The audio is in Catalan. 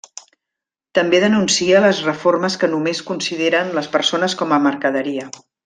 També denuncia les reformes que només consideren les persones com a mercaderia.